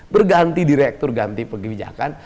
berganti direktur ganti kebijakan